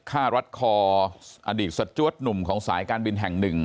รัดคออดีตสจวดหนุ่มของสายการบินแห่งหนึ่ง